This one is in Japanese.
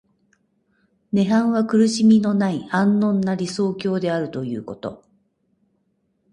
涅槃は苦しみのない安穏な理想郷であるということ。